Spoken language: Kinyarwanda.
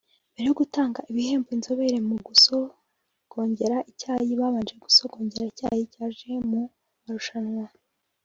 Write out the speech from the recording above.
Mbere yo gutanga ibihembo inzobere mu gusogongera icyayi babanje gusogongera icyayi cyaje mu marushanwa